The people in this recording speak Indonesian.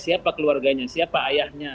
siapa keluarganya siapa ayahnya